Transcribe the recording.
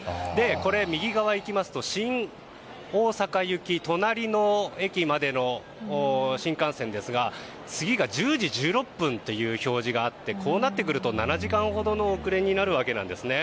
これ、右側を見ますと新大阪行きの隣の駅までの新幹線ですが次が１０時１６分という表示があってこうなってくると７時間ほどの遅れになるんですね。